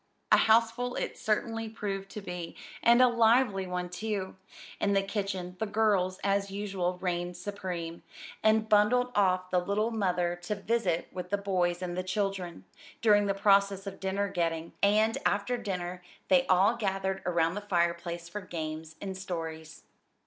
A houseful it certainly proved to be, and a lively one, too. In the kitchen "the girls" as usual reigned supreme, and bundled off the little mother to "visit with the boys and the children" during the process of dinner getting, and after dinner they all gathered around the fireplace for games and stories.